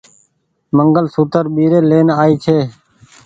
منگل سوتر ٻيري لين آئي ڇي۔